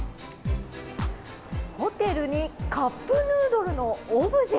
ホテルにカップヌードルのオブジェ。